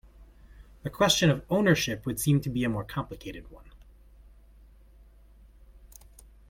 The question of ownership would seem to be a more complicated one.